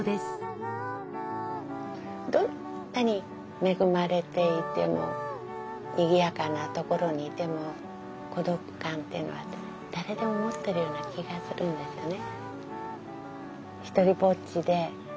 どんなに恵まれていてもにぎやかなところにいても孤独感っていうのは誰でも持ってるような気がするんですよね。